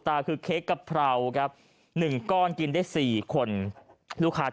ก้างแบบโอ้โหผมว่ามีปูด้วย